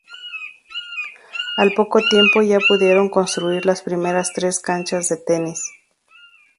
Al poco tiempo ya pudieron construir las primeras tres canchas de tenis.